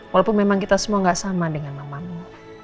walaupun memang kita semua gak sama dengan mamamu